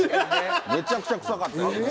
めちゃくちゃ臭かった。